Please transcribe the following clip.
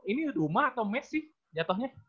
ini rumah atau mes sih jatuhnya